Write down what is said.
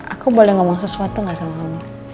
aku boleh ngomong sesuatu gak sama kamu